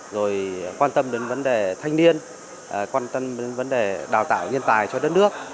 rồi quan tâm đến vấn đề thanh niên quan tâm đến vấn đề đào tạo nhân tài cho đất nước